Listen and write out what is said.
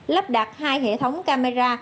lắp đặt hai hệ thống camera